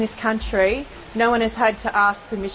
tidak ada yang telah meminta kebenaran